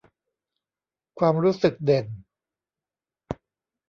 ความรู้สึกเด่น